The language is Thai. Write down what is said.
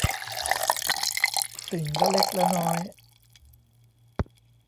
สิ่งละเล็กละน้อย